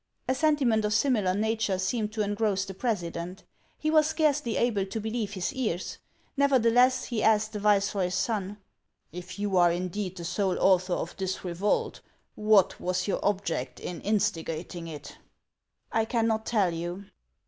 A sentiment of similar nature seemed to engross the president. He was scarcely able to believe his ears. Nevertheless, he asked the viceroy's son :" If you are indeed the sole author of this revolt, what was your object in instigating it ?"" I cannot tell you."